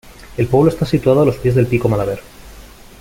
El pueblo está situado a los pies del Pico Malaver.